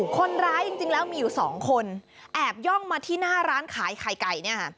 คนร้ายจริงแล้วมีอยู่สองคนแอบย่องมาที่หน้าร้านขายไข่ไก่เนี่ยค่ะ